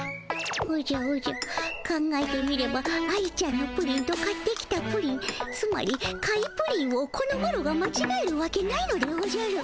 おじゃおじゃ考えてみれば愛ちゃんのプリンと買ってきたプリンつまり買いプリンをこのマロがまちがえるわけないのでおじゃる。